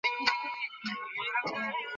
তোমার অতি চালাকির কারণে হাতের লক্ষী পায়ে ঠেলেছ।